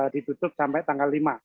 ditutup sampai tanggal lima